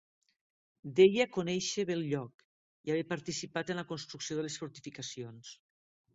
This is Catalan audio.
Deia conèixer bé el lloc i haver participat en la construcció de les fortificacions.